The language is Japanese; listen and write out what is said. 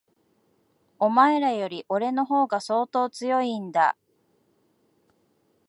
お前らより、俺の方が相当強いんだ。